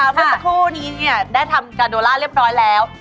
พวกคู่นี้นี่ได้ทำกาโนล่าเรียบร้อยแล้ว